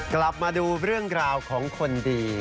กลับมาดูเรื่องราวของคนดี